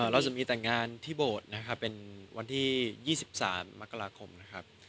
เราจะมีแต่งงานที่โบสถ์นะครับเป็นวันที่๒๓มกราคมนะครับ